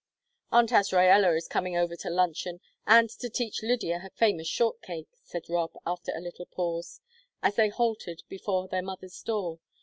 "Aunt Azraella is coming over to luncheon, and to teach Lydia her famous short cake," said Rob, after a little pause, as they halted before their mother's door.